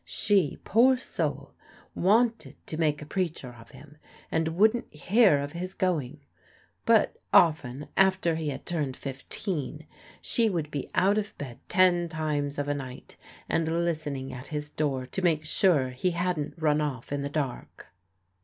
She, poor soul, wanted to make a preacher of him, and wouldn't hear of his going; but often, after he had turned fifteen, she would be out of bed ten times of a night and listening at his door to make sure he hadn't run off in the dark.